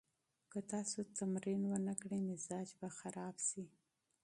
که تاسو تمرین ونه کړئ، مزاج به خراب شي.